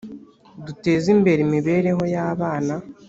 duteze imbere imibereho y’abana .